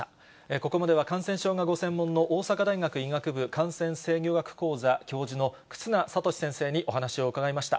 ここまでは感染症がご専門の大阪大学医学部感染制御学講座教授の忽那賢志先生にお話を伺いました。